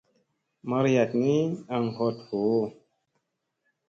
Mariyaɗ ni aŋ hoɗ voo.